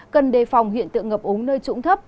cần đề phòng hiện tượng ngập ống nơi trũng thấp